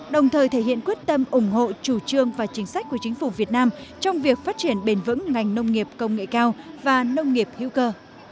đồng thời thể hiện quyết tâm ủng hộ chủ trương và chính sách của chính phủ việt nam trong việc phát triển bền vững ngành nông nghiệp công nghệ cao và nông nghiệp hữu cơ